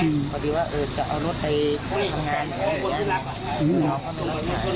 อืมพอดีวะเอิร์ฤจะเอารถไปทำงานไงแหละนะ